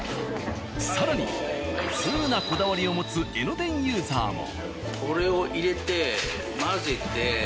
更に通なこだわりを持つ江ノ電ユーザーも。